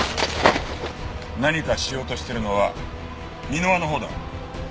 何かしようとしてるのは箕輪のほうだ。